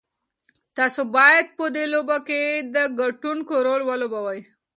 تاسو بايد په دې لوبه کې د ګټونکي رول ولوبوئ.